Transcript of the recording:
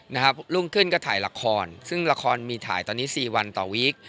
รุ่งขึ้นก็ถ่ายละครซึ่งละครมีถ่ายตอนนี้สี่วันต่อวีค